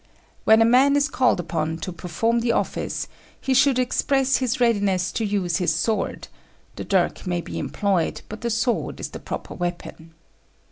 When a man is called upon to perform the office, he should express his readiness to use his sword (the dirk may be employed, but the sword is the proper weapon).